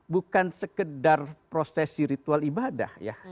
bukan sekedar prosesi ritual ibadah ya